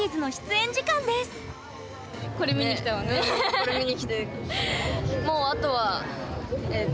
これ見に来て。